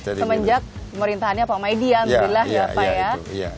semenjak pemerintahannya pak maidi alhamdulillah ya pak ya